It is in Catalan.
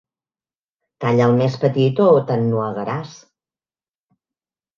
Talla'l més petit o t'ennuegaràs.